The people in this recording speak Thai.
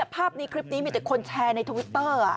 ภาพนี้คลิปนี้มีแต่คนแชร์ในทวิตเตอร์